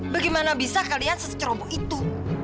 bagaimana bisa kalian seceroboh itu